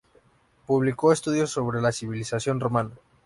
Publicó estudios sobre la civilización romana.